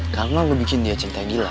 karena lu bikin dia cinta gila